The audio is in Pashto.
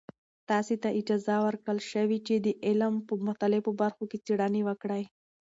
تاسې ته اجازه ورکړل شوې چې د علم په مختلفو برخو کې څیړنې وکړئ.